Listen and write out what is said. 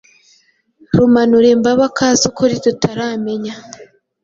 Rumanurimbaba ko azi ukuri tutaramenya.